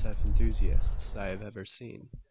f. enthusiasts I have ever seen.